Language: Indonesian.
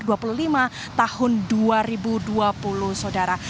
tahun dua puluh lima tahun dua ribu dua puluh saudara